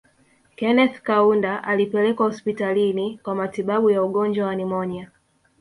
Kenneth Kaunda alipelekwa hospitalini kwa matibabu ya ugonjwa wa nimonia